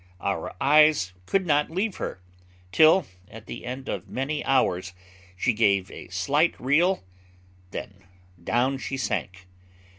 Our eyes could not leave her, till, at the end of many hours, she gave a slight reel, then down she sank.